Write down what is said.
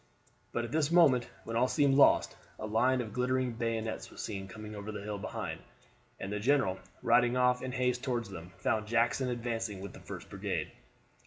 But at this moment, when all seemed lost, a line of glittering bayonets was seen coming over the hill behind, and the general, riding off in haste toward them, found Jackson advancing with the first brigade.